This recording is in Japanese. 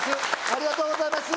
ありがとうございます！